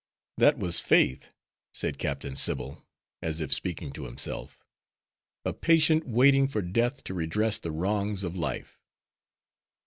'" "That was faith," said Captain Sybil, as if speaking to himself, "a patient waiting for death to redress the wrongs of life."